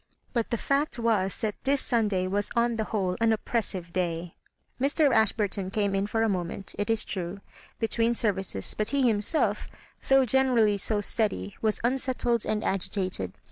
But the fact was that this Sunday was on the whole an oppressive day. Mr. Ashburtou came in for a moment, it is true, between ser vices ; but he himself, though generally so steady, was unsettled and agitated.